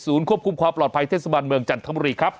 ศูนย์ควบคุมความปลอดภัยเทศสมันต์เมืองจันทร์ธรรมดีครับ